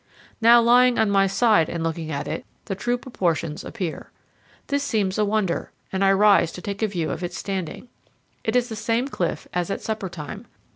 Now lying on my side and looking at it, the true proportions appear. This seems a wonder, and I rise to take a view of it standing. It is the same cliff as at supper time.